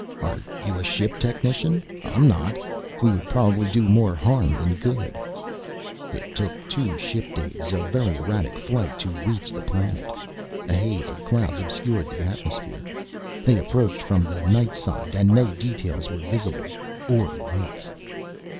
"Are you a ship technician? I'm not. We would probably do more harm than good." It took two ship days of very erratic flight to reach the planet. A haze of clouds obscured the atmosphere. They approached from the night side and no details were visible. Or lights.